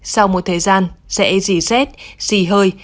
sau một thời gian sẽ dì xét dì hơi